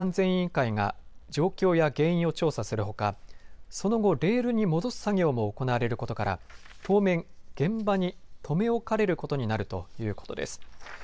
脱線したやまびこ２２３号については今後、国の運輸安全委員会が状況や原因を調査するほかその後、レールに戻す作業も行われることから当面現場にとめ置かれることになるということです。